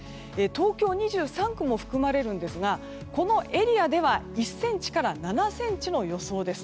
東京２３区も含まれるんですがこのエリアでは１ｃｍから７ｃｍの予想です。